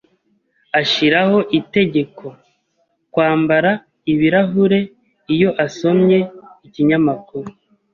Ashiraho itegeko kwambara ibirahure iyo asomye ikinyamakuru.